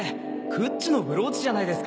クッチのブローチじゃないですか。